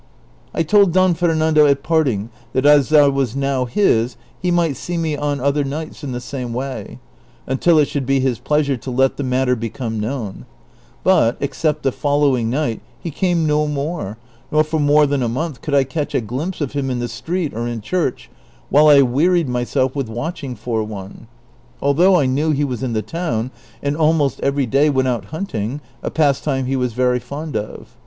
I told Don Fernando at parting, that as I was now his, he might see me on other nights in the same way, until it should be his pleasure to let the matter become known ; but, except the following night, he came no raore, nor tor more than a month could 1 catch a glimpse of him in the sti'eet or in church, while I wearied myself with watching for one; although I knew he was in the town, and almost every day went out hunting, a pastime he was very fond of.